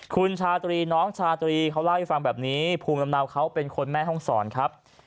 คุณชาตรีน้องชาตรีเขาเล่าให้ฟังแบบนี้ภูมิลำเนาเขาเป็นคนแม่ห้องศรครับ